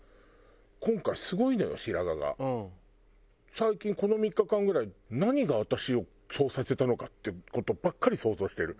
最近この３日間ぐらい何が私をそうさせたのかって事ばっかり想像してる。